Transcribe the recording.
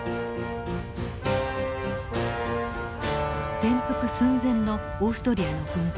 転覆寸前のオーストリアの軍艦。